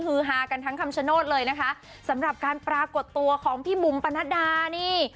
ฮากันทั้งคำชโนธเลยนะคะสำหรับการปรากฏตัวของพี่บุ๋มปนัดดานี่